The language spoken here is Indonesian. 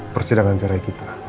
persidangan cerai kita